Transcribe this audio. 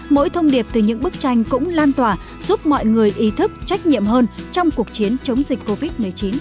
mỗi thông điệp từ những bức tranh cũng lan tỏa giúp mọi người ý thức trách nhiệm hơn trong cuộc chiến chống dịch covid một mươi chín